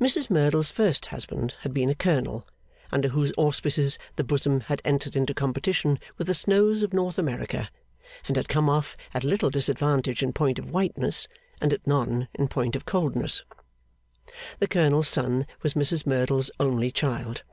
Mrs Merdle's first husband had been a colonel, under whose auspices the bosom had entered into competition with the snows of North America, and had come off at little disadvantage in point of whiteness, and at none in point of coldness. The colonel's son was Mrs Merdle's only child.